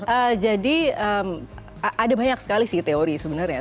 ehm jadi ehm ada banyak sekali sih teori sebenarnya